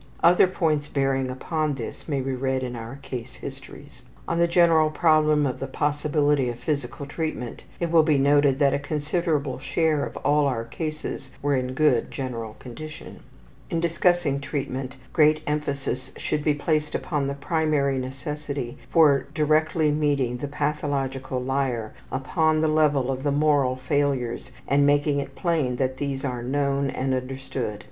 Other points bearing upon this may be read in our case histories. On the general problem of the possibility of physical treatment it will be noted that a considerable share of all our cases were in good general condition. In discussing treatment great emphasis should be placed upon the primary necessity for directly meeting the pathological liar upon the level of the moral failures and making it plain that these are known and understood.